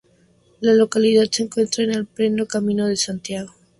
La localidad se encuentra en pleno Camino de Santiago.